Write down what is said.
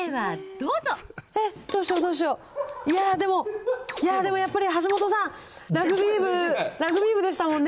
どうしよう、どうしよう、でも、いやー、でもやっぱり橋下さん、ラグビー部、ラグビー部でしたもんね。